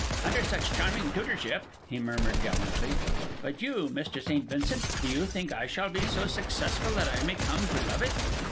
"Under such charming tutorship," he murmured, gallantly. "But you, Mr. St. Vincent, do you think I shall be so successful that I may come to love it?